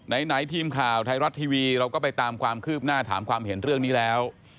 ไหนทีมข่าวไทยรัฐทีวีเราก็ไปตามความคืบหน้าถามความเห็นเรื่องนี้แล้ว